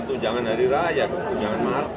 tunjangan hari raya tunjangan masa